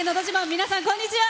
皆さん、こんにちは。